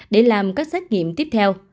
để làm các xét nghiệm tiếp theo